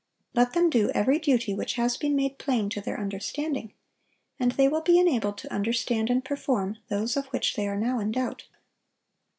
Let them do every duty which has been made plain to their understanding, and they will be enabled to understand and perform those of which they are now in doubt.